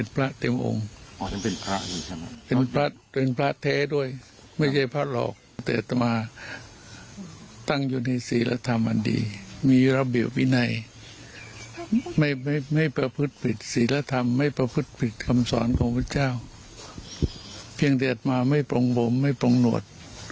เพียงเดี๋ยวอัตมาไม่ปรงผมไม่ปรงหนวด